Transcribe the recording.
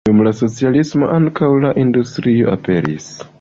Dum la socialismo ankaŭ la industrio aperis.